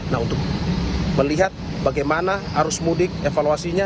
nah untuk melihat bagaimana arus mudik evaluasinya